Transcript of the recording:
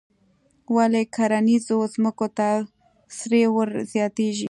ولې کرنیزو ځمکو ته سرې ور زیاتیږي؟